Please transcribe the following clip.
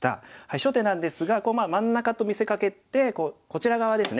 初手なんですが真ん中と見せかけてこちら側ですね